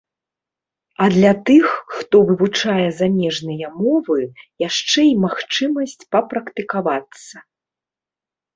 А для тых, хто вывучае замежныя мовы, яшчэ і магчымасць папрактыкавацца.